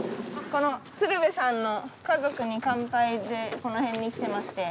この鶴瓶さんの「家族に乾杯」でこの辺に来てまして。